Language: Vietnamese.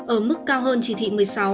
ở mức cao hơn chỉ thị một mươi sáu